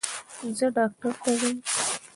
زه ډاکټر ته ځم